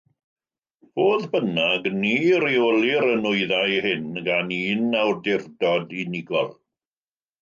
Fodd bynnag, ni reolir y nwyddau hyn gan un awdurdod unigol.